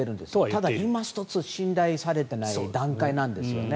ただ、いま一つ信頼されていない段階なんですよね。